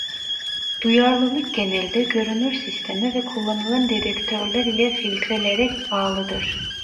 Duyarlılık genelde görünür sisteme ve kullanılan dedektörler ile filtrelere bağlıdır.